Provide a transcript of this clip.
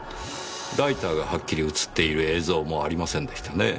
ライターがはっきり映っている映像もありませんでしたねぇ。